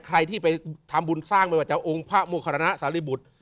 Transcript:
ใครที่ไปทำบุญสร้างไม่ว่าจะองค์พระโมคณะสาริบุตร